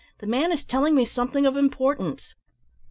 "The man is telling me something of importance."